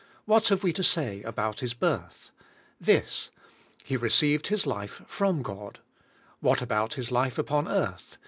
What have we to say about His birth? This: He re ceived His \\iQ Jrom God. What about His life upon earth?